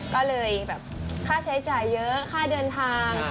ก็เลยแบบค่าใช้จ่ายเยอะค่าเดินทาง